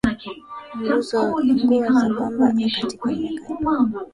nguo za pamba katika miaka ya elfu moja mia tisa sitini Sabini na moja